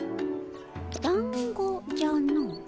だんごじゃの。